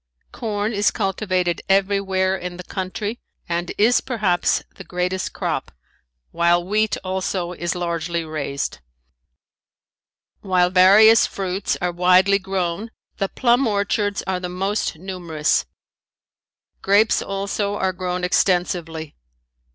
Corn is cultivated everywhere in the country and is perhaps the greatest crop, while wheat also is largely raised. While various fruits are widely grown the plum orchards are the most numerous. Grapes also are grown extensively.